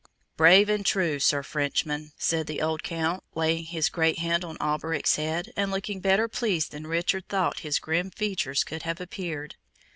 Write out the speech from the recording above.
"Brave and true, Sir Frenchman," said the old Count, laying his great hand on Alberic's head, and looking better pleased than Richard thought his grim features could have appeared.